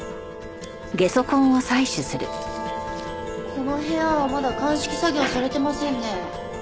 この部屋はまだ鑑識作業されてませんね。